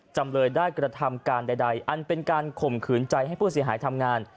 จำเลยได้กระทำการใดอันเป็นการข่มขืนใจให้ผู้เสียหายทำงาน